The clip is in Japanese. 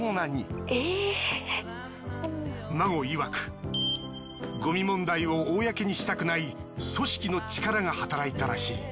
ＭＡＧＯいわくゴミ問題を公にしたくない組織の力が働いたらしい。